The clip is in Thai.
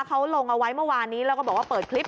เขาลงเอาไว้เมื่อวานนี้แล้วก็บอกว่าเปิดคลิป